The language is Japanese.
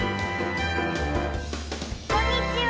こんにちは！